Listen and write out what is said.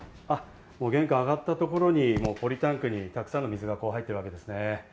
玄関を上がったところにポリタンクにたくさんの水が入っているわけですね。